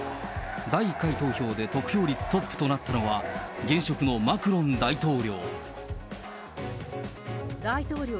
第１回投票で得票率トップとなったのは、現職のマクロン大統領。